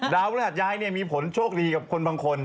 พระหัสย้ายมีผลโชคดีกับคนบางคน